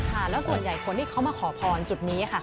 แล้วส่วนใหญ่คนที่เขามาขอพรจุดนี้ค่ะ